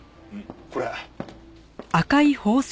これ。